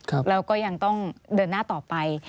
แล้วก็ยังต้องเดินหน้าต่อไป